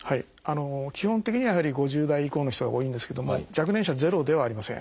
基本的にはやはり５０代以降の人が多いんですけども若年者ゼロではありません。